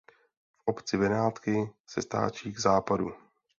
V obci Benátky se stáčí k západu.